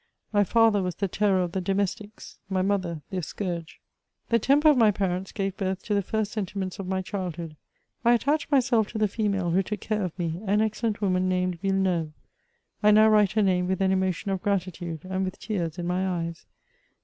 My father was the terror of the domestics : my mother their scouige. The temper of my parents gave birth to the first sentiments of my childhood. I attached myself to the female who took care of me, an excellent woman named Yilleneuve. I now write her name with an emotion of gratitude, and with tears in my eyes.